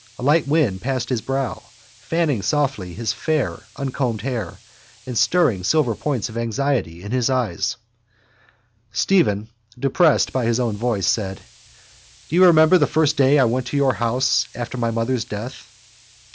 A light wind passed his brow, fanning softly his fair uncombed hair and stirring silver points of anxiety in his eyes. Stephen, depressed by his own voice, said: —Do you remember the first day I went to your house after my mother's death?